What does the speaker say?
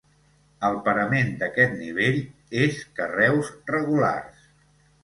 El parament d'aquest nivell és carreus regulars.